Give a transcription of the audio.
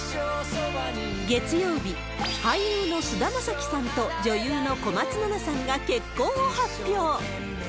月曜日、俳優の菅田将暉さんと、女優の小松菜奈さんが結婚を発表。